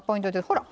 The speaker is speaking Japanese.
ほら！